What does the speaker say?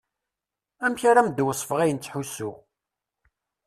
Amek ara am-d-wesfeɣ ayen ttḥussuɣ.